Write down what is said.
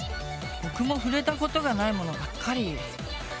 僕も触れたことがないものばっかり！